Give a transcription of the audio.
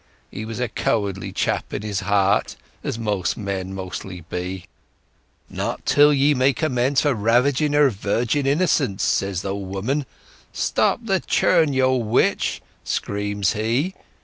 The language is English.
(He was a cowardly chap in his heart, as such men mostly be). 'Not till ye make amends for ravaging her virgin innocence!' says the old woman. 'Stop the churn you old witch!' screams he.